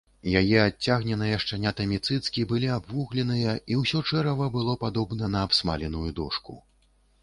Яе адцягненыя шчанятамі цыцкі былі абвугленыя, і ўсё чэрава было падобна на абсмаленую дошку.